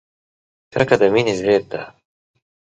کرکه د مینې ضد ده!